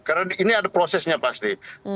karena ini ada prosesnya pasti